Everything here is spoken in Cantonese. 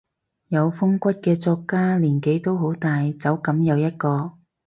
有風骨嘅作家年紀都好大，走噉又一個